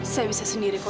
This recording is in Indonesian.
saya bisa sendiri kok bu